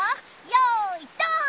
よいどん！